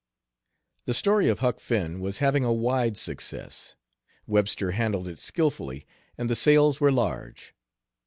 The story of Huck Finn was having a wide success. Webster handled it skillfully, and the sales were large.